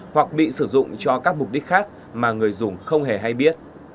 hoặc bị sử dụng cho các mục đích khác mà người dùng không hề hay biết